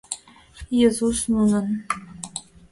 Езус нунын...